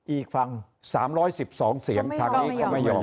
อีกฝั่ง๓๑๒เสียงก็ไม่ยอมก็ไม่ยอม